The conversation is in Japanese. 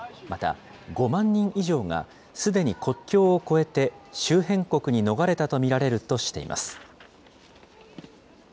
また、５万人以上がすでに国境を越えて、周辺国に逃れたと見られるとしています。